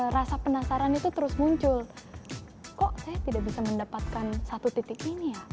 rasa penasaran itu terus muncul kok saya tidak bisa mendapatkan satu titik ini ya